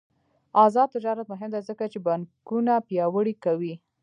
آزاد تجارت مهم دی ځکه چې بانکونه پیاوړي کوي.